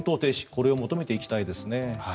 これを求めていきたいですね。